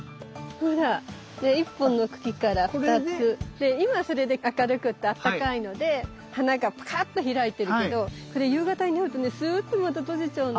で今それで明るくってあったかいので花がパカっと開いてるけどこれ夕方になるとねスゥッとまた閉じちゃうの。